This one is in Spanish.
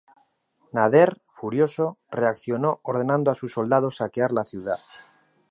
Nader, furioso, reaccionó ordenando a sus soldados saquear la ciudad.